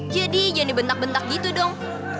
jadi jangan dibentak bentak gitu dong